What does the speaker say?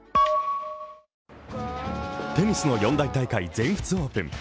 テニスの四大大会、全仏オープン。